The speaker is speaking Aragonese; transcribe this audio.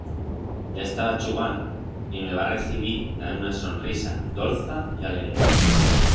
Ya estaba chugand y me va recibir dan una sonrisa dolza y alegre.